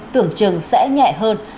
tưởng trường sẽ nhẹ hơn